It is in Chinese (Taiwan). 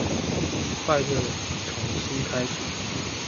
快樂從心開始